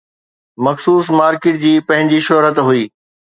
مخصوص مارڪيٽ جي پنهنجي شهرت هئي.